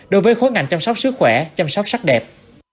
đối với khối ngành chăm sóc sức khỏe chăm sóc sắc đẹp